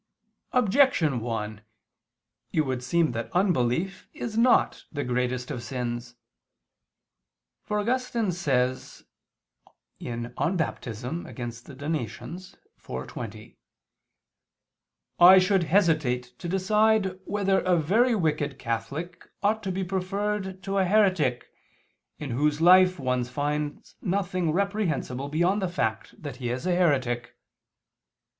Objection 1: It would seem that unbelief is not the greatest of sins. For Augustine says (De Bapt. contra Donat. iv, 20): "I should hesitate to decide whether a very wicked Catholic ought to be preferred to a heretic, in whose life one finds nothing reprehensible beyond the fact that he is a heretic."